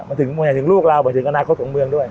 มันถึงมันอยากถึงลูกเรามันถึงอนาคตของเมืองด้วย